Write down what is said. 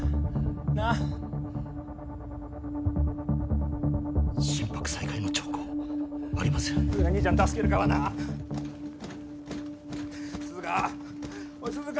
なあ心拍再開の兆候ありません涼香兄ちゃん助けるからな涼香おい涼香！